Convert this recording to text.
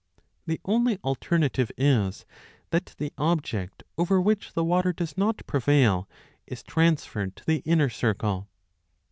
The only alternative is that the object over which the water does not prevail is transferred to the inner circle.